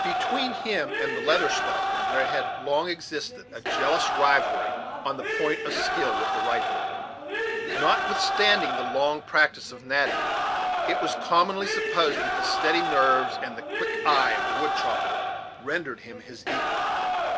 Between him and the Leather Stocking there had long existed a jealous rivalry on the point of skill with the rifle. Notwithstanding the long practice of Natty, it was commonly supposed that the steady nerves and the quick eye of the wood chopper rendered him his equal.